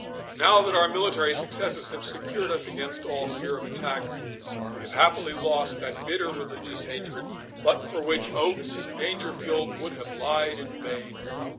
Now that our military successes have secured us against all fear of attack, we have happily lost that bitter religious hatred but for which Oates and Dangerfield would have lied in vain.